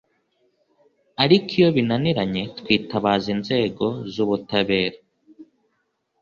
ariko iyo binaniranye twitabaza inzego z’ubutabera”